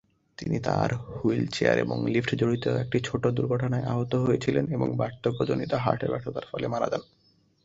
তিনি তাঁর হুইলচেয়ার এবং লিফট জড়িত একটি ছোট্ট দুর্ঘটনায় আহত হয়েছিলেন এবং বার্ধক্যজনিত হার্টের ব্যর্থতার ফলে মারা যান।